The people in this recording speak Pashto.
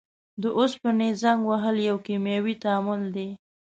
د اوسپنې زنګ وهل یو کیمیاوي تعامل دی.